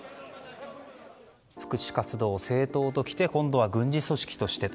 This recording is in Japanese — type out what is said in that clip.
福祉活動、政党ときて今度は軍事組織としてと。